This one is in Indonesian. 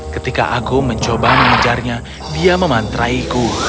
ketika agung mencoba mengejarnya dia memantraiku